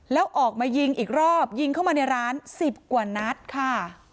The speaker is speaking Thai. แล้วออกมายิงอีกรอบยิงเข้ามาในร้าน๑๐กว่านัดค่ะ